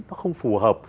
nó không phù hợp